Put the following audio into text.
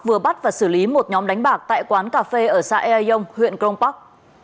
vừa bắt và xử lý một nhóm đánh bạc tại quán cà phê ở xã eang huyện crong park